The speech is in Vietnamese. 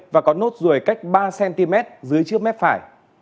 và có nốt ruồi cách ba cm dưới trước mép phải